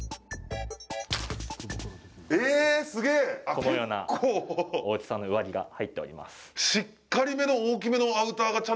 このような大きさの上着が入っております。